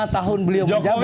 lima tahun beliau menjabat